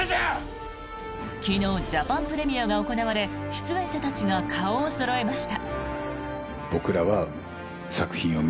昨日、ジャパンプレミアが行われ出演者たちが顔をそろえました。